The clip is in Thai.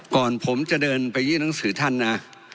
ก่อนผมจะเดินไปยื่นหนังสือท่านนะ